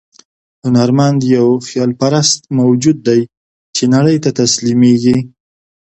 هنرمند یو خیال پرست موجود دی چې نړۍ ته تسلیمېږي.